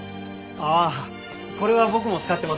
ああこれは僕も使ってます。